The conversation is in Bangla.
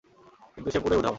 কিন্তু সে পুরোই উধাও।